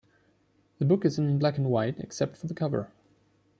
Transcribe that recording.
The book is in black and white except for the cover.